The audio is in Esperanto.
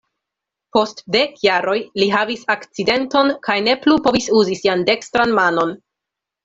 Post dek jaroj li havis akcidenton kaj ne plu povis uzi sian dekstran manon.